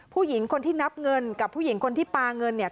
ผู้หญิงคนที่นับเงินกับผู้หญิงคนที่ปาเงินเนี่ย